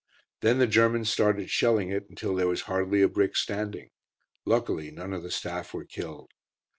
Then the Germans started shelling it until there was hardly a brick standing. Luckily none of the staff were killed.